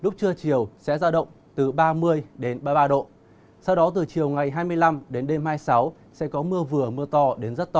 trên đất liền phía đông bắc bộ trong ngày mai sẽ có mưa vừa mưa to đến rất to